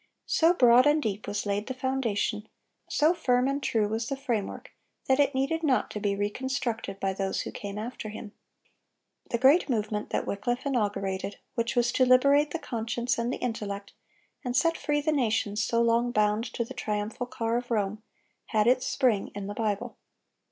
So broad and deep was laid the foundation, so firm and true was the framework, that it needed not to be reconstructed by those who came after him. The great movement that Wycliffe inaugurated, which was to liberate the conscience and the intellect, and set free the nations so long bound to the triumphal car of Rome, had its spring in the Bible.